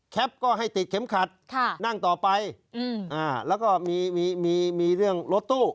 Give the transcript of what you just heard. ก็ให้ติดเข็มขัดนั่งต่อไปแล้วก็มีมีเรื่องรถตู้